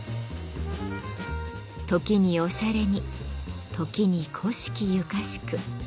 時におしゃれに時に古式ゆかしく。